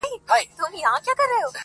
هغه نجلۍ مي اوس پوښتنه هر ساعت کوي.